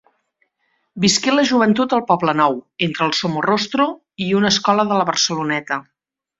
Visqué la joventut al Poblenou, entre el Somorrostro i una escola de la Barceloneta.